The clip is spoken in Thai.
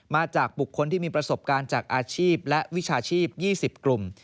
มาจากบุคคลที่มีประสบการณ์จากอาชีพและวิชาชีพ๒๐กลุ่ม